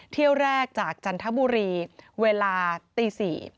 เที่ยวแรกจากจันทบุรีเวลาตี๔